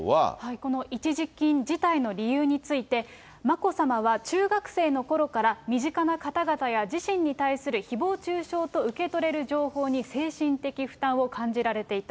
この一時金辞退の理由について、眞子さまは中学生のころから、身近な方々や自身に対するひぼう中傷と受け取れる情報に、精神的負担を感じられていた。